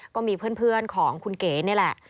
ก็มีเพื่อนของคุณเก๋นี่แหละ